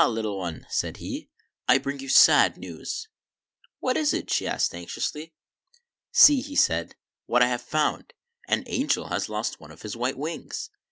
little one," said he, " I bring you sad news." " What is it ?" she asked anxiously. " See," he said, " what I have found. An angel has lost one of his white wings."